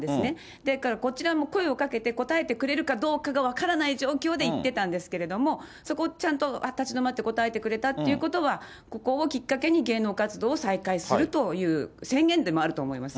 ですから、こちらも声をかけて、答えてくれるかどうかが分からない状況で行ってたんですけれども、そこをちゃんと立ち止まって答えてくれたっていうことは、ここをきっかけに、芸能活動を再開するという、宣言でもあると思います。